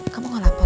kamu gak lapar